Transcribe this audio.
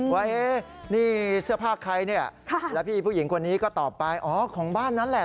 ว่านี่เสื้อผ้าใครเนี่ยแล้วพี่ผู้หญิงคนนี้ก็ตอบไปอ๋อของบ้านนั้นแหละ